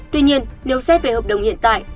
tuy nhiên nếu xét về hợp đồng hiện tại